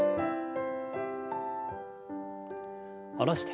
下ろして。